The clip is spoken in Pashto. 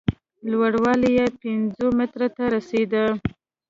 لوړوالی یې پینځو مترو ته رسېده.